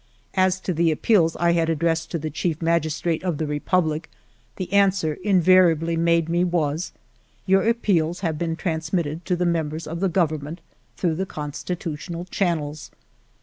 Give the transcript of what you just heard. As to the appeals I had addressed to the Chief Magistrate of the Republic, the answer invariably made me was :" Your appeals have been transmitted to the members of the Government through the constitutional channels."